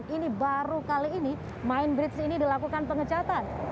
ini baru kali ini mind bridge ini dilakukan pengecatan